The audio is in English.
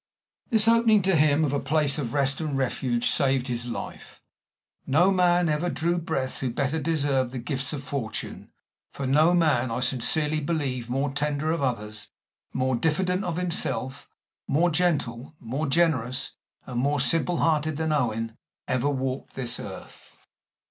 This opening to him of a place of rest and refuge saved his life. No man ever drew breath who better deserved the gifts of fortune; for no man, I sincerely believe, more tender of others, more diffident of himself, more gentle, more generous, and more simple hearted than Owen, ever walked this earth.